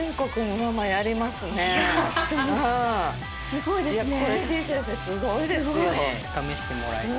すごいですね。